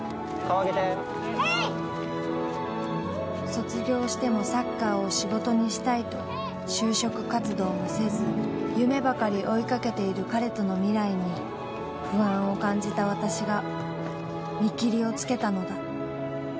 卒業してもサッカーを仕事にしたいと就職活動もせず夢ばかり追いかけている彼との未来に不安を感じた私が見切りをつけたのだ。